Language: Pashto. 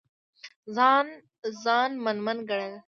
ځان من من ګڼل